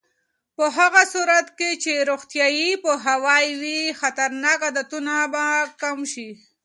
په هغه صورت کې چې روغتیایي پوهاوی وي، خطرناک عادتونه به کم شي.